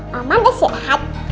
mama udah sehat